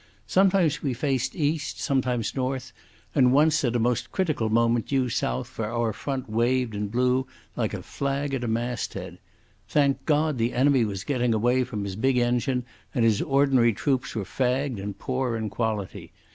Sometimes we faced east, sometimes north, and once at a most critical moment due south, for our front waved and blew like a flag at a masthead.... Thank God, the enemy was getting away from his big engine, and his ordinary troops were fagged and poor in quality.